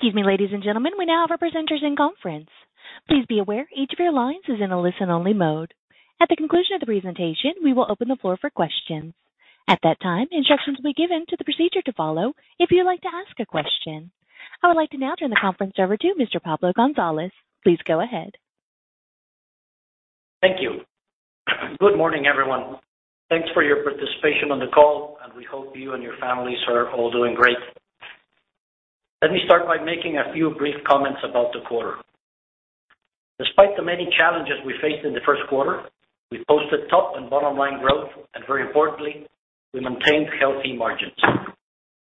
Excuse me, ladies and gentlemen, we now have our presenters in conference. Please be aware, each of your lines is in a listen-only mode. At the conclusion of the presentation, we will open the floor for questions. At that time, instructions will be given to the procedure to follow if you'd like to ask a question. I would like to now turn the conference over to Mr. Pablo González. Please go ahead. Thank you. Good morning, everyone. Thanks for your participation on the call, and we hope you and your families are all doing great. Let me start by making a few brief comments about the quarter. Despite the many challenges we faced in the first quarter, we posted top and bottom-line growth. Very importantly, we maintained healthy margins.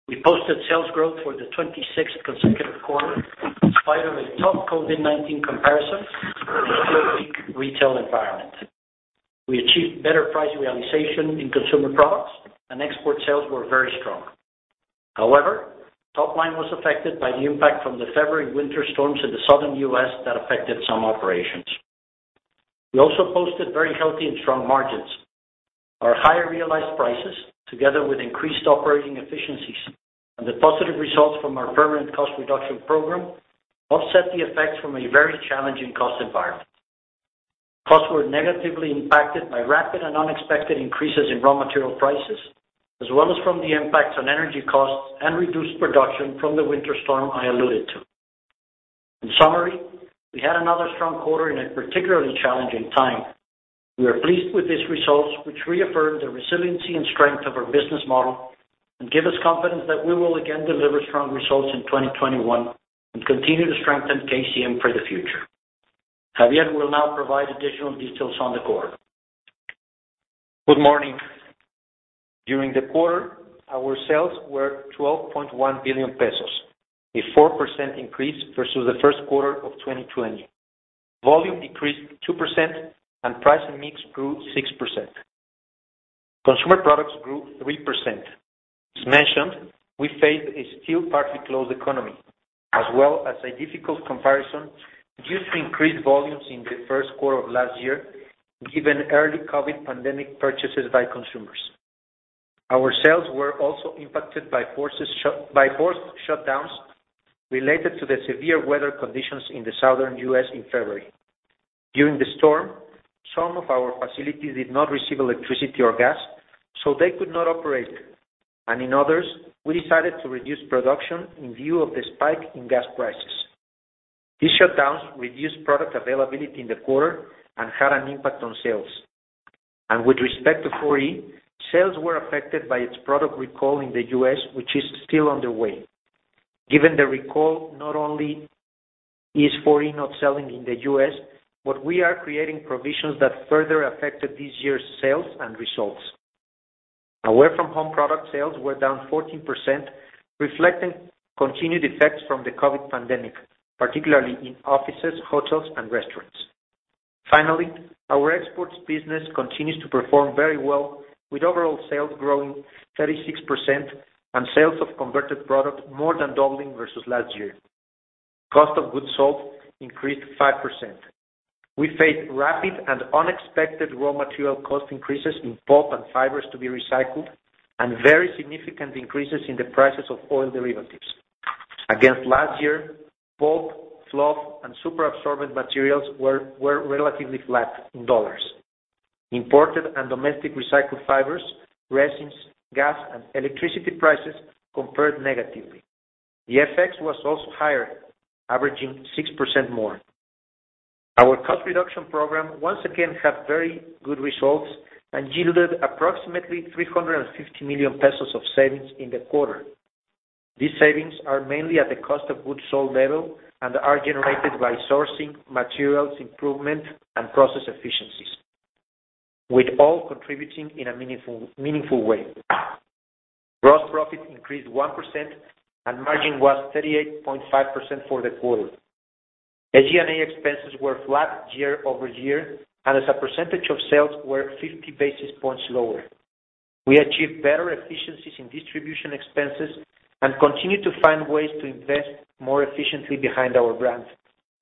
We posted sales growth for the 26th consecutive quarter in spite of a tough COVID-19 comparison and still weak retail environment. We achieved better price realization in consumer products. Export sales were very strong. However, top line was affected by the impact from the February winter storms in the Southern U.S. that affected some operations. We also posted very healthy and strong margins. Our higher realized prices, together with increased operating efficiencies and the positive results from our permanent cost reduction program, offset the effects from a very challenging cost environment. Costs were negatively impacted by rapid and unexpected increases in raw material prices, as well as from the impacts on energy costs and reduced production from the winter storm I alluded to. In summary, we had another strong quarter in a particularly challenging time. We are pleased with these results, which reaffirm the resiliency and strength of our business model and give us confidence that we will again deliver strong results in 2021 and continue to strengthen KCM for the future. Xavier will now provide additional details on the quarter. Good morning. During the quarter, our sales were 12.1 billion pesos, a 4% increase versus the first quarter of 2020. Volume decreased 2%, price mix grew 6%. Consumer products grew 3%. As mentioned, we faced a still partly closed economy as well as a difficult comparison due to increased volumes in the first quarter of last year, given early COVID pandemic purchases by consumers. Our sales were also impacted by forced shutdowns related to the severe weather conditions in the Southern U.S. in February. During the storm, some of our facilities did not receive electricity or gas, so they could not operate, and in others, we decided to reduce production in view of the spike in gas prices. These shutdowns reduced product availability in the quarter and had an impact on sales. With respect to 4e, sales were affected by its product recall in the U.S., which is still underway. Given the recall, not only is 4e not selling in the U.S., but we are creating provisions that further affected this year's sales and results. Away-from-Home product sales were down 14%, reflecting continued effects from the COVID pandemic, particularly in offices, hotels, and restaurants. Finally, our exports business continues to perform very well, with overall sales growing 36% and sales of converted product more than doubling versus last year. Cost of goods sold increased 5%. We faced rapid and unexpected raw material cost increases in pulp and fibers to be recycled and very significant increases in the prices of oil derivatives. Against last year, pulp, fluff, and superabsorbent materials were relatively flat in USD. Imported and domestic recycled fibers, resins, gas, and electricity prices compared negatively. The FX was also higher, averaging 6% more. Our cost reduction program once again had very good results and yielded approximately 350 million pesos of savings in the quarter. These savings are mainly at the cost of goods sold level and are generated by sourcing, materials improvement, and process efficiencies, with all contributing in a meaningful way. Gross profit increased 1%, and margin was 38.5% for the quarter. SG&A expenses were flat year-over-year, and as a percentage of sales, were 50 basis points lower. We achieved better efficiencies in distribution expenses and continue to find ways to invest more efficiently behind our brands,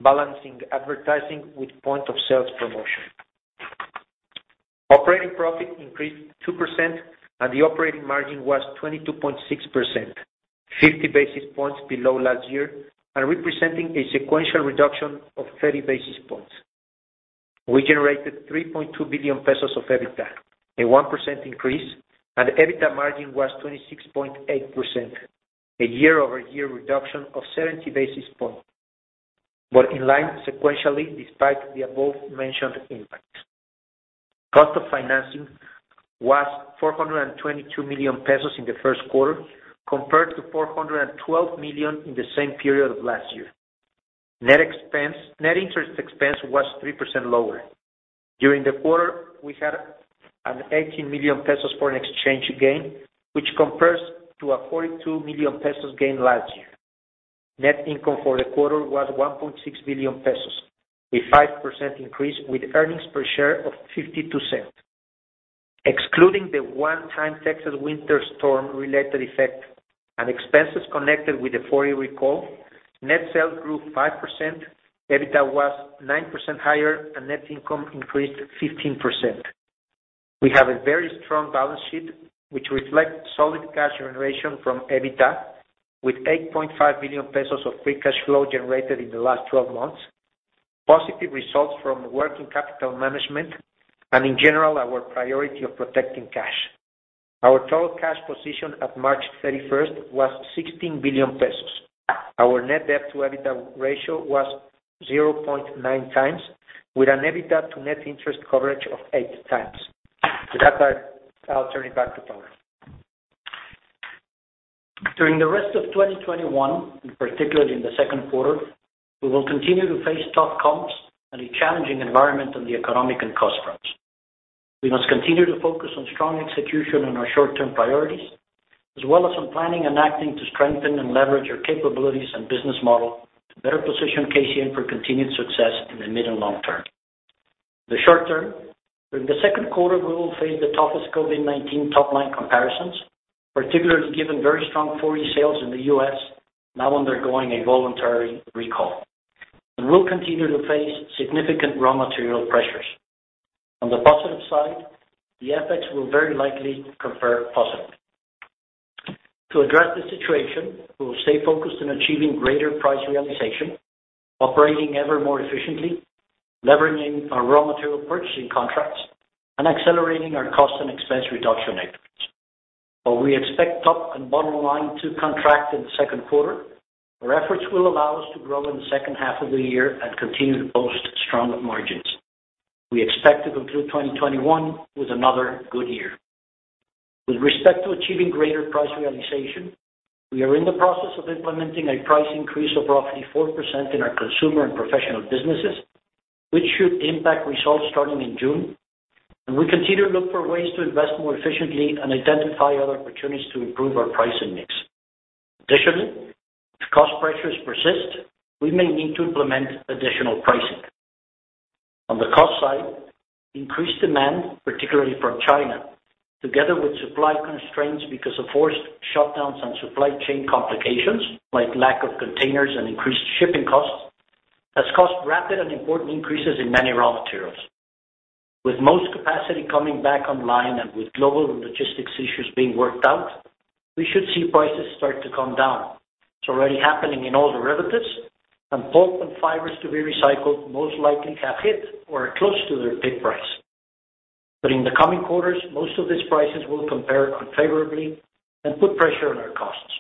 balancing advertising with point-of-sales promotion. Operating profit increased 2%, and the operating margin was 22.6%, 50 basis points below last year and representing a sequential reduction of 30 basis points. We generated 3.2 billion pesos of EBITDA, a 1% increase, and EBITDA margin was 26.8%, a year-over-year reduction of 70 basis points, but in line sequentially despite the above-mentioned impacts. Cost of financing was 422 million pesos in the first quarter, compared to 412 million in the same period of last year. Net interest expense was 3% lower. During the quarter, we had an 18 million pesos foreign exchange gain, which compares to an 42 million pesos gain last year. Net income for the quarter was 1.6 billion pesos, a 5% increase with earnings per share of 0.52. Excluding the one-time Texas winter storm related effect and expenses connected with the 4e recall, net sales grew 5%, EBITDA was 9% higher, and net income increased 15%. We have a very strong balance sheet, which reflects solid cash generation from EBITDA, with 8.5 billion pesos of free cash flow generated in the last 12 months, positive results from working capital management, and in general, our priority of protecting cash. Our total cash position at March 31st was 16 billion pesos. Our net debt to EBITDA ratio was 0.9x, with an EBITDA to net interest coverage of 8x. With that, I'll turn it back to Pablo. During the rest of 2021, and particularly in the second quarter, we will continue to face tough comps and a challenging environment on the economic and cost fronts. We must continue to focus on strong execution on our short-term priorities, as well as on planning and acting to strengthen and leverage our capabilities and business model to better position KCM for continued success in the mid and long term. In the short term, during the second quarter, we will face the toughest COVID-19 top-line comparisons, particularly given very strong 4e sales in the U.S. now undergoing a voluntary recall, and we'll continue to face significant raw material pressures. On the positive side, the FX will very likely compare positively. To address this situation, we will stay focused on achieving greater price realization, operating ever more efficiently, leveraging our raw material purchasing contracts, and accelerating our cost and expense reduction efforts. While we expect top and bottom line to contract in the second quarter, our efforts will allow us to grow in the second half of the year and continue to post strong margins. We expect to conclude 2021 with another good year. With respect to achieving greater price realization, we are in the process of implementing a price increase of roughly 4% in our consumer and professional businesses, which should impact results starting in June. We continue to look for ways to invest more efficiently and identify other opportunities to improve our pricing mix. Additionally, if cost pressures persist, we may need to implement additional pricing. On the cost side, increased demand, particularly from China, together with supply constraints because of forced shutdowns and supply chain complications, like lack of containers and increased shipping costs, has caused rapid and important increases in many raw materials. With most capacity coming back online and with global logistics issues being worked out, we should see prices start to come down. It's already happening in oil derivatives, and pulp and fibers to be recycled most likely have hit or are close to their peak price. In the coming quarters, most of these prices will compare unfavorably and put pressure on our costs.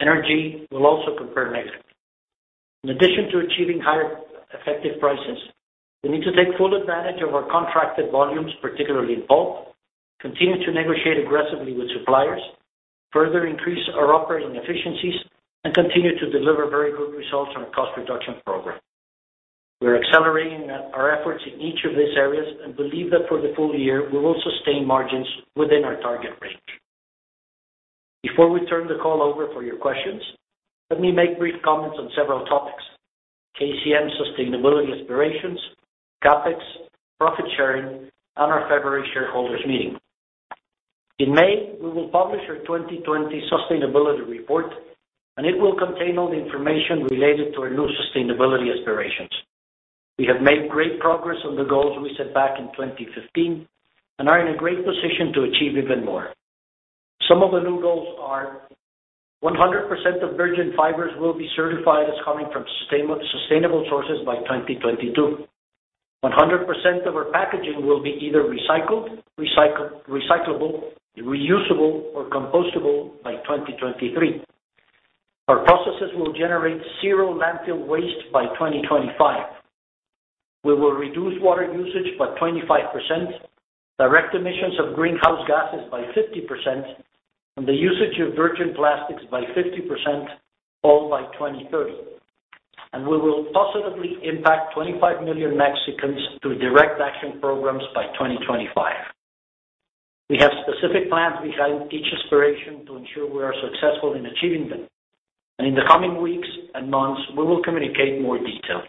Energy will also compare negatively. In addition to achieving higher effective prices, we need to take full advantage of our contracted volumes, particularly in pulp, continue to negotiate aggressively with suppliers, further increase our operating efficiencies, and continue to deliver very good results on our cost reduction program. We're accelerating our efforts in each of these areas and believe that for the full year, we will sustain margins within our target range. Before we turn the call over for your questions, let me make brief comments on several topics: KCM sustainability aspirations, CapEx, profit sharing, and our February shareholders meeting. In May, we will publish our 2020 sustainability report, and it will contain all the information related to our new sustainability aspirations. We have made great progress on the goals we set back in 2015 and are in a great position to achieve even more. Some of the new goals are 100% of virgin fibers will be certified as coming from sustainable sources by 2022. 100% of our packaging will be either recycled, recyclable, reusable, or compostable by 2023. Our processes will generate zero landfill waste by 2025. We will reduce water usage by 25%, direct emissions of greenhouse gases by 50%, and the usage of virgin plastics by 50%, all by 2030. We will positively impact 25 million Mexicans through direct action programs by 2025. We have specific plans behind each aspiration to ensure we are successful in achieving them, and in the coming weeks and months, we will communicate more details.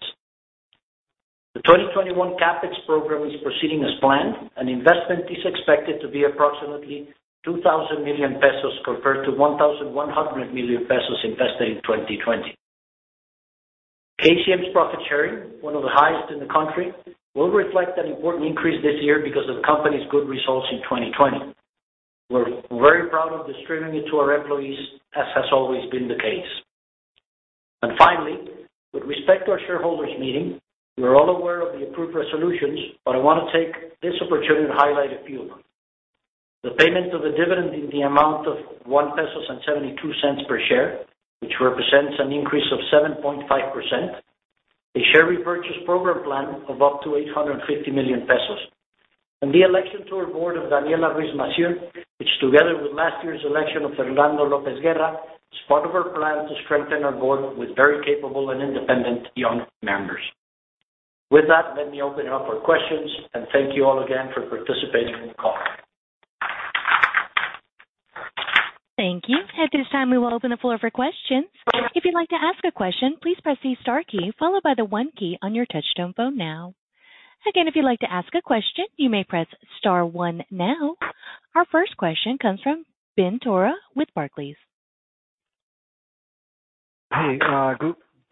The 2021 CapEx program is proceeding as planned, and investment is expected to be approximately 2,000 million pesos compared to 1,100 million pesos invested in 2020. KCM's profit sharing, one of the highest in the country, will reflect an important increase this year because of the company's good results in 2020. We're very proud of distributing it to our employees, as has always been the case. Finally, with respect to our shareholders meeting, you are all aware of the approved resolutions, but I want to take this opportunity to highlight a few of them. The payment of a dividend in the amount of 1.72 pesos per share, which represents an increase of 7.5%, a share repurchase program plan of up to 850 million pesos, and the election to our board of Daniela Ruiz Massieu, which together with last year's election of Fernando López Guerra, is part of our plan to strengthen our board with very capable and independent young members. With that, let me open it up for questions and thank you all again for participating in the call. Thank you. At this time, we will open the floor for questions. Our first question comes from Benjamin Theurer with Barclays.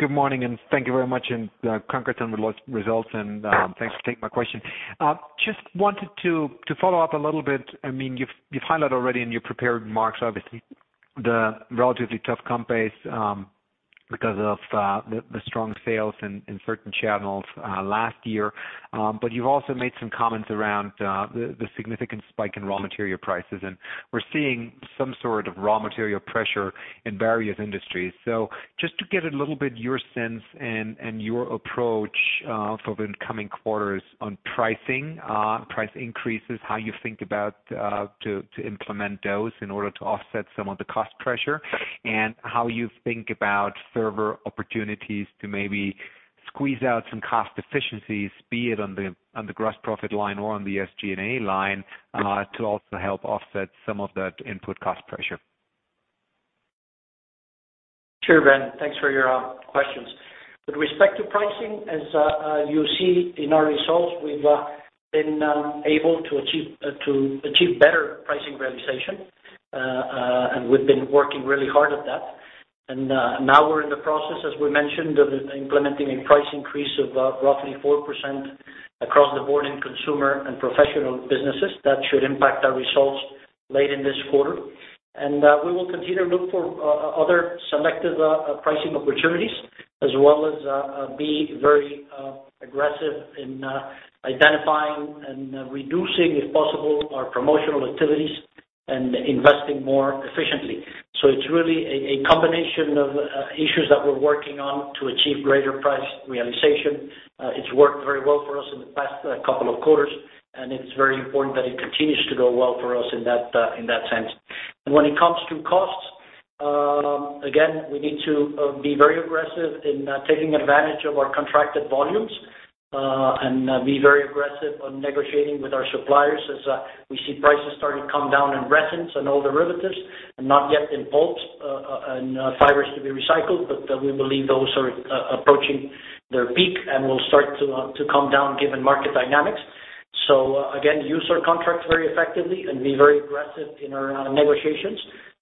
Good morning, and thank you very much, and congrats on the results, and thanks for taking my question. Just wanted to follow up a little bit. You've highlighted already in your prepared remarks, obviously, the relatively tough comp base because of the strong sales in certain channels last year. You've also made some comments around the significant spike in raw material prices, and we're seeing some sort of raw material pressure in various industries. Just to get a little bit your sense and your approach for the coming quarters on pricing, price increases, how you think about to implement those in order to offset some of the cost pressure. How you think about further opportunities to maybe squeeze out some cost efficiencies, be it on the gross profit line or on the SG&A line, to also help offset some of that input cost pressure. Sure, Ben. Thanks for your questions. With respect to pricing, as you see in our results, we've been able to achieve better pricing realization. We've been working really hard at that. Now we're in the process, as we mentioned, of implementing a price increase of roughly 4% across the board in consumer and professional businesses. That should impact our results late in this quarter. We will continue to look for other selective pricing opportunities, as well as be very aggressive in identifying and reducing, if possible, our promotional activities and investing more efficiently. It's really a combination of issues that we're working on to achieve greater price realization. It's worked very well for us in the past couple of quarters, and it's very important that it continues to go well for us in that sense. When it comes to costs, again, we need to be very aggressive in taking advantage of our contracted volumes, and be very aggressive on negotiating with our suppliers as we see prices starting to come down in resins and oil derivatives, and not yet in pulp and fibers to be recycled. We believe those are approaching their peak and will start to come down given market dynamics. Again, use our contracts very effectively and be very aggressive in our negotiations.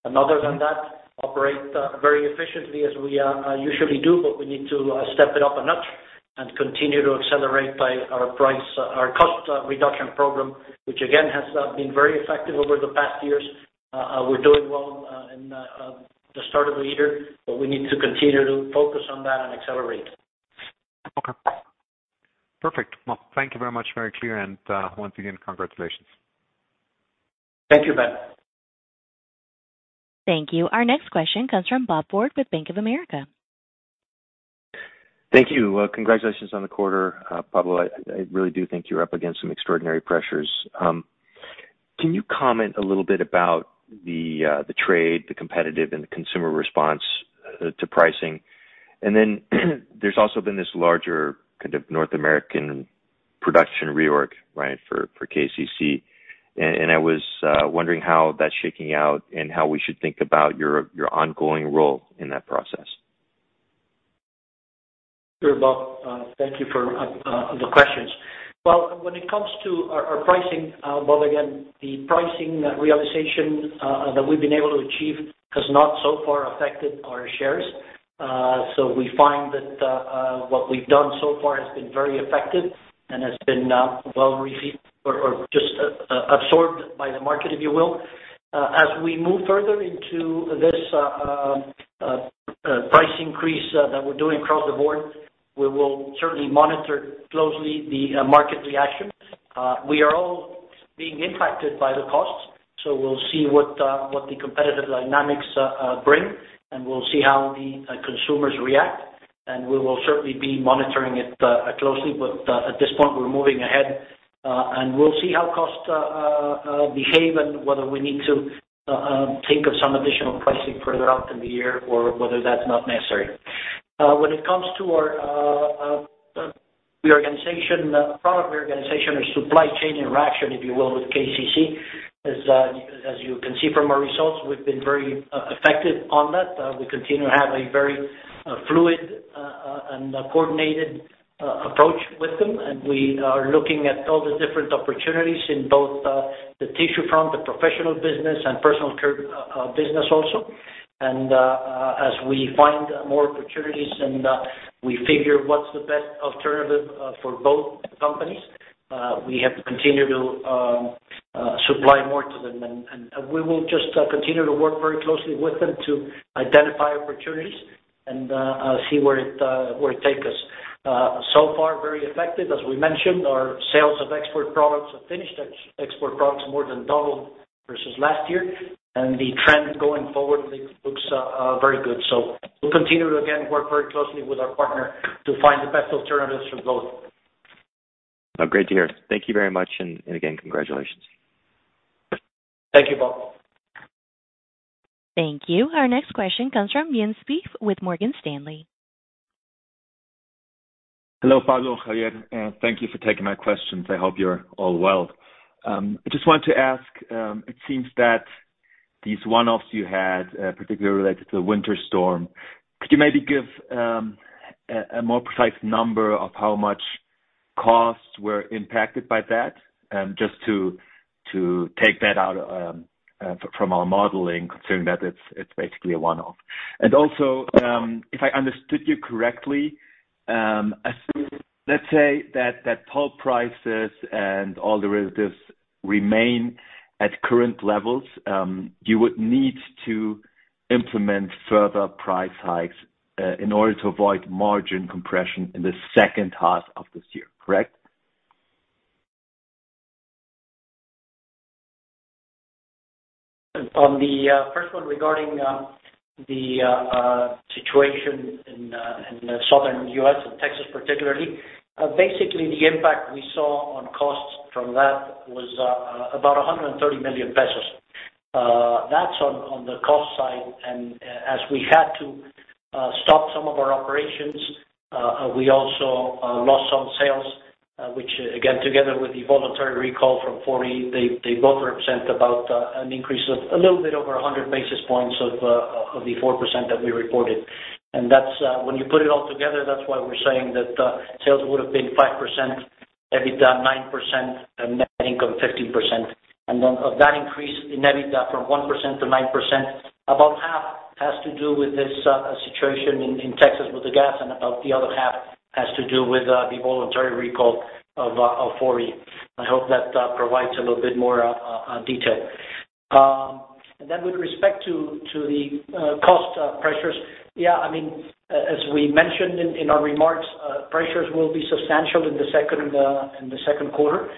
Other than that, operate very efficiently as we usually do, but we need to step it up a notch and continue to accelerate by our cost reduction program, which again, has been very effective over the past years. We're doing well in the start of the year, but we need to continue to focus on that and accelerate. Okay. Perfect. Well, thank you very much. Very clear, and once again, congratulations. Thank you, Ben. Thank you. Our next question comes from Bob Ford with Bank of America. Thank you. Congratulations on the quarter, Pablo. I really do think you're up against some extraordinary pressures. Can you comment a little bit about the trade, the competitive and the consumer response to pricing? There's also been this larger kind of North American production reorg for KCC. I was wondering how that's shaking out and how we should think about your ongoing role in that process. Sure, Bob. Thank you for the questions. Well, when it comes to our pricing, Bob, again, the pricing realization that we've been able to achieve has not so far affected our shares. We find that what we've done so far has been very effective and has been well received or just absorbed by the market, if you will. As we move further into this price increase that we're doing across the board, we will certainly monitor closely the market reaction. We are all being impacted by the costs. We'll see what the competitive dynamics bring, and we'll see how the consumers react, and we will certainly be monitoring it closely. At this point, we're moving ahead. We'll see how costs behave and whether we need to think of some additional pricing further out in the year or whether that's not necessary. When it comes to our product reorganization or supply chain interaction, if you will, with KCC, as you can see from our results, we've been very effective on that. We continue to have a very fluid and coordinated approach with them. We are looking at all the different opportunities in both the tissue front, the professional business, and personal care business also. As we find more opportunities and we figure what's the best alternative for both companies, we have continued to supply more to them. We will just continue to work very closely with them to identify opportunities and see where it takes us. So far very effective. As we mentioned, our sales of export products, finished export products, more than doubled versus last year, and the trend going forward looks very good. We'll continue to, again, work very closely with our partner to find the best alternatives for both. Great to hear. Thank you very much. Again, congratulations. Thank you, Bob. Thank you. Our next question comes from Jens Spiess with Morgan Stanley. Hello, Pablo, Xavier, and thank you for taking my questions. I hope you're all well. I just wanted to ask, it seems that these one-offs you had, particularly related to the winter storm, could you maybe give a more precise number of how much costs were impacted by that? Just to take that out from our modeling, considering that it's basically a one-off. Also, if I understood you correctly, assume, let's say that pulp prices and all the rest of this remain at current levels, you would need to implement further price hikes in order to avoid margin compression in the second half of this year, correct? On the first one regarding the situation in the Southern U.S. and Texas particularly, basically, the impact we saw on costs from that was about 130 million pesos. That's on the cost side. As we had to stop some of our operations, we also lost some sales, which again, together with the voluntary recall from 4e, they both represent about an increase of a little bit over 100 basis points of the 4% that we reported. When you put it all together, that's why we're saying that sales would have been 5%, EBITDA 9%, and net income 15%. Then of that increase in EBITDA from 1%-9%, about half has to do with this situation in Texas with the gas, and about the other half has to do with the voluntary recall of 4e. I hope that provides a little bit more detail. Then with respect to the cost pressures, as we mentioned in our remarks, pressures will be substantial in the second quarter.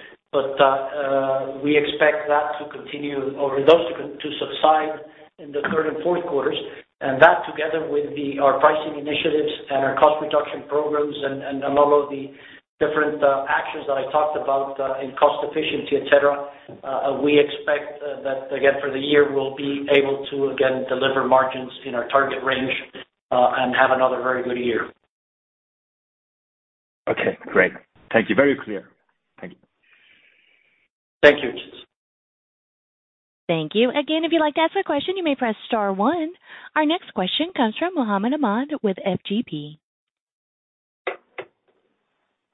We expect that to continue, or those to subside in the third and fourth quarters. That together with our pricing initiatives and our cost reduction programs and among all the different actions that I talked about, in cost efficiency, et cetera, we expect that, again, for the year, we'll be able to, again, deliver margins in our target range, and have another very good year. Okay, great. Thank you. Very clear. Thank you. Thank you. Thank you. Again, if you'd like to ask a question, you may press star one. Our next question comes from Mohammed Ahmad with FGP.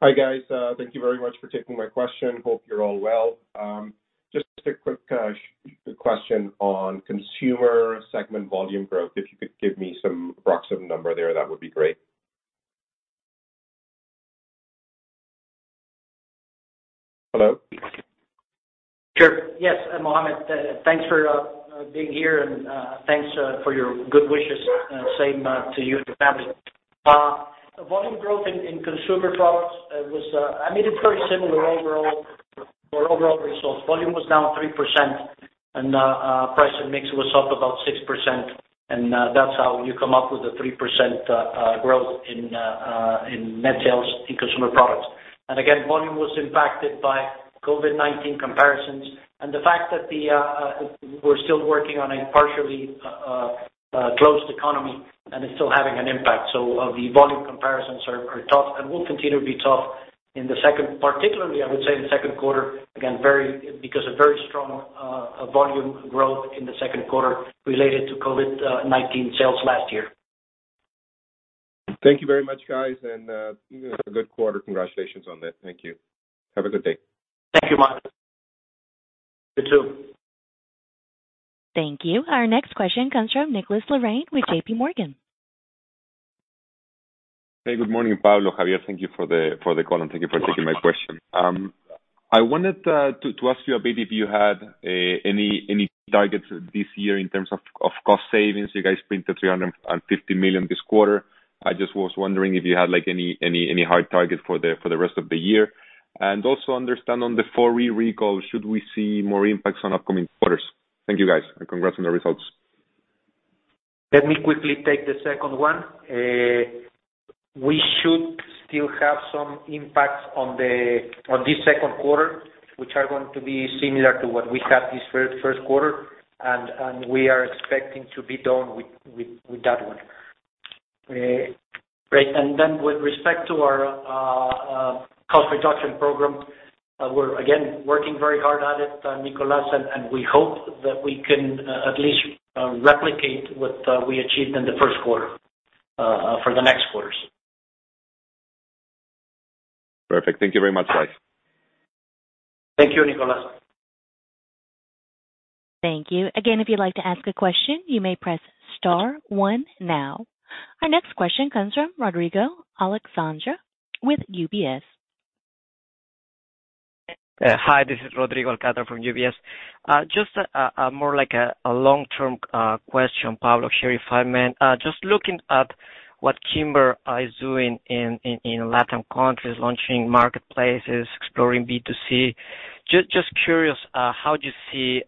Hi, guys. Thank you very much for taking my question. Hope you're all well. Just a quick question on consumer segment volume growth. If you could give me some approximate number there, that would be great. Hello? Sure. Yes, Mohammed, thanks for being here and thanks for your good wishes. Same to you and the family. Volume growth in consumer products, I mean, it's very similar overall to our overall results. Volume was down 3%. Price and mix was up about 6%, and that's how you come up with the 3% growth in net sales in consumer products. Again, volume was impacted by COVID-19 comparisons and the fact that we're still working on a partially closed economy. It's still having an impact. The volume comparisons are tough and will continue to be tough in the second, particularly, I would say, in the second quarter, again, because of very strong volume growth in the second quarter related to COVID-19 sales last year. Thank you very much, guys. You guys had a good quarter. Congratulations on that. Thank you. Have a good day. Thank you, Mohammed. You, too. Thank you. Our next question comes from Nicolás Larrain with JPMorgan. Hey, good morning, Pablo, Xavier. Thank you for the call, and thank you for taking my question. I wanted to ask you a bit if you had any targets this year in terms of cost savings. You guys printed 350 million this quarter. I just was wondering if you had any hard targets for the rest of the year. Also understand on the 4e recall, should we see more impacts on upcoming quarters? Thank you, guys, and congrats on the results. Let me quickly take the second one. We should still have some impacts on this second quarter, which are going to be similar to what we had this first quarter, and we are expecting to be done with that one. Great. With respect to our cost reduction program, we're again, working very hard at it, Nicolás, and we hope that we can at least replicate what we achieved in the first quarter, for the next quarters. Perfect. Thank you very much, guys. Thank you, Nicholas. Thank you. Again, if you'd like to ask a question, you may press star one now. Our next question comes from Rodrigo Alcántara with UBS. Hi, this is Rodrigo Alcántara from UBS. Just more like a long-term question, Pablo, Xavier, if I may. Just looking at what Kimberly-Clark is doing in Latin countries, launching marketplaces, exploring B2C. Just curious, how do you see,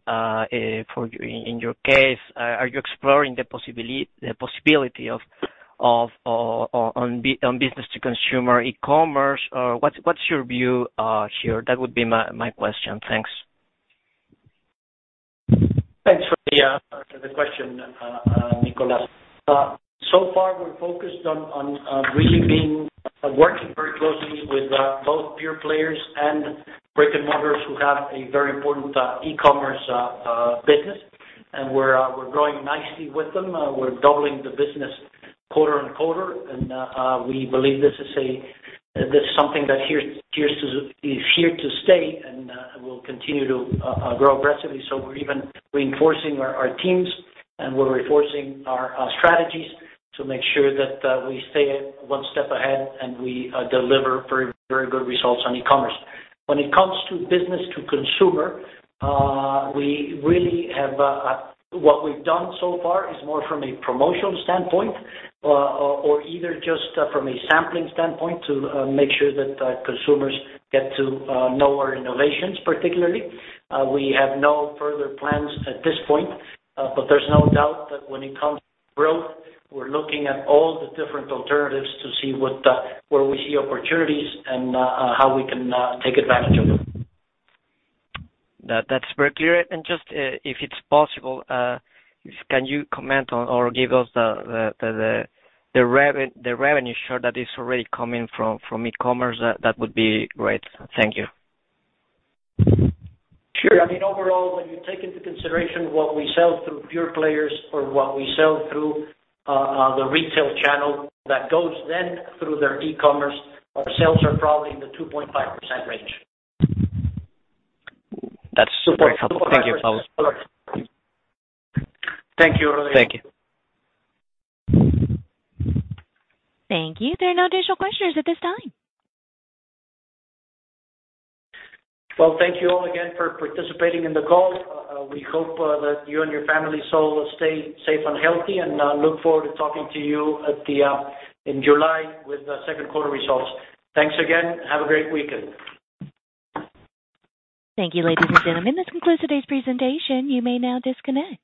in your case, are you exploring the possibility on business to consumer e-commerce? What's your view here? That would be my question. Thanks. Thanks for the question, Nicholas. So far, we're focused on really working very closely with both pure players and who have a very important e-commerce business, and we're growing nicely with them. We're doubling the business quarter on quarter, and we believe this is something that is here to stay, and will continue to grow aggressively. We're even reinforcing our teams and we're reinforcing our strategies to make sure that we stay one step ahead, and we deliver very good results on e-commerce. When it comes to business to consumer, what we've done so far is more from a promotional standpoint or either just from a sampling standpoint to make sure that consumers get to know our innovations, particularly. We have no further plans at this point. There's no doubt that when it comes to growth, we're looking at all the different alternatives to see where we see opportunities and how we can take advantage of them. That's very clear. Just, if it's possible, can you comment on or give us the revenue share that is already coming from e-commerce? That would be great. Thank you. Sure. Overall, when you take into consideration what we sell through pure players or what we sell through the retail channel that goes then through their e-commerce, our sales are probably in the 2.5% range. That's super helpful. Thank you, Pablo. Thank you, Rodrigo. Thank you. Thank you. There are no additional questions at this time. Well, thank you all again for participating in the call. We hope that you and your families all stay safe and healthy, and look forward to talking to you in July with the second quarter results. Thanks again. Have a great weekend. Thank you, ladies and gentlemen. This concludes today's presentation. You may now disconnect.